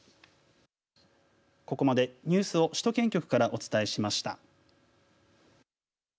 ここまでニュースを首都圏局からお伝えしました。